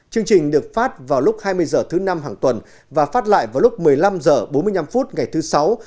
chương trình được phát vào lúc hai mươi h thứ năm hàng tuần và phát lại vào lúc một mươi năm h bốn mươi năm ngày thứ sáu